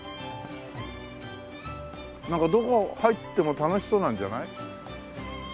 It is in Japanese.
なんかどこ入っても楽しそうなんじゃない？